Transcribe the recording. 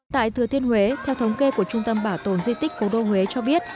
tại thừa thiên huế theo thống kê của trung tâm bảo tồn di tích cố đô huế cho biết